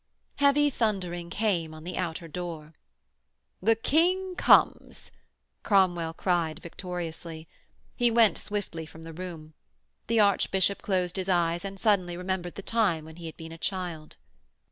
Heavy thundering came on the outer door. 'The King comes,' Cromwell cried victoriously. He went swiftly from the room. The Archbishop closed his eyes and suddenly remembered the time when he had been a child.